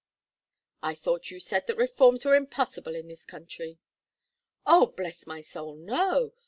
"I thought you said that reforms were impossible in this country." "Oh, bless my soul, no.